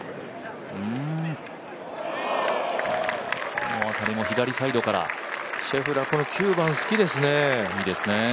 この辺りも左サイドから、シェフラーこの９番、好きですね。